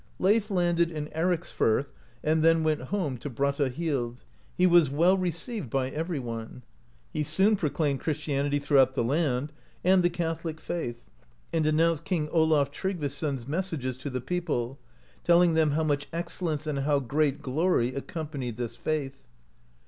Leif landed in Ericsfirth, and then went home to Brattahlid ; he was well received by every one. He soon proclaimed Christianity throughout the land, and the Catholic faith, and announced King Olaf Tryggvason's messages to the people, telling them how much excellence and how great glory accompanied this faith.